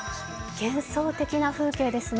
幻想的な風景ですね。